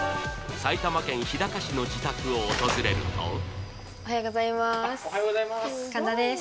埼玉県日高市の自宅を訪れるとおはようございます